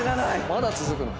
まだ続くの？